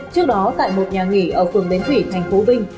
trước đó tại một nhà nghỉ ở phường bến thủy thành phố vinh